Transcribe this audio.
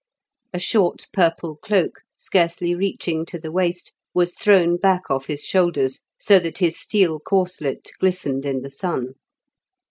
A short purple cloak, scarcely reaching to the waist, was thrown back off his shoulders, so that his steel corselet glistened in the sun.